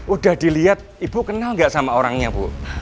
udah dilihat ibu kenal nggak sama orangnya bu